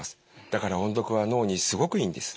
だから音読は脳にすごくいいんです。